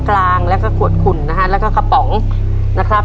กลางแล้วก็ขวดขุ่นนะฮะแล้วก็กระป๋องนะครับ